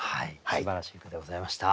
すばらしい句でございました。